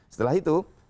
setelah itu kita lihat